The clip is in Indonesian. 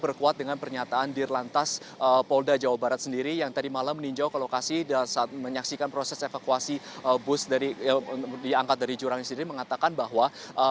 berkuat dengan pernyataan dirlantas polda jawa barat sendiri yang tadi malam meninjau ke lokasi dan saat menyaksikan proses evakuasi bus yang diangkat dari jurang ini sendiri mengatakan bahwa